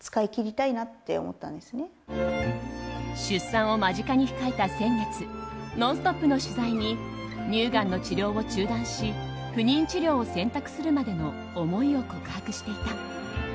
出産を間近に控えた先月「ノンストップ！」の取材に乳がんの治療を中断し不妊治療を選択するまでの思いを告白していた。